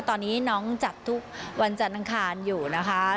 ตอนนี้น้องจัดทุกวันจันทร์อังคารอยู่นะคะ